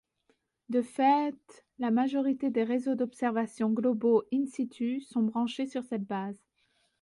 De faite la majorité des réseaux d'observations globaux in-situ sont branchés sur cette base.